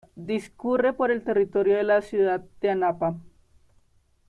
Discurre por el territorio de la ciudad de Anapa.